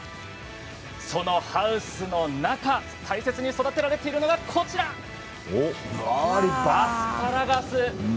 そのハウスの中大切に育てられているのがこちらです。